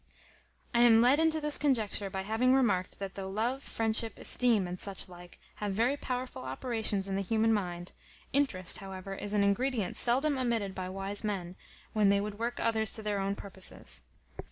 I am led into this conjecture, by having remarked, that though love, friendship, esteem, and such like, have very powerful operations in the human mind; interest, however, is an ingredient seldom omitted by wise men, when they would work others to their own purposes.